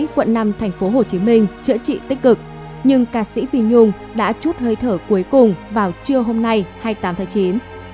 các ca sĩ tại bệnh viện trợ rẫy quận năm tp hcm chữa trị tích cực nhưng ca sĩ phi nhung đã chút hơi thở cuối cùng vào trưa hôm nay hai mươi tám tháng chín